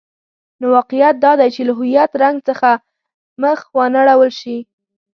نو واقعیت دادی چې له هویت رنګ څخه مخ وانه ړول شي.